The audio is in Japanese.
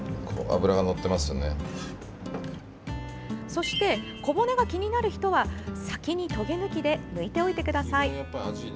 そして小骨が気になる人は先にとげ抜きで抜いておいてください。